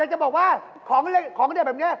จะบอกว่าของเด็ดแบบนี้